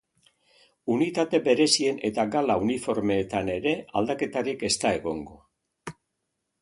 Unitate berezien eta gala uniformeetan ere, aldaketarik ez da egongo.